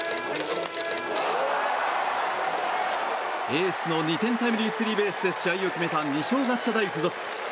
エースの２点タイムリースリーベースで試合を決めた二松学舎大付属。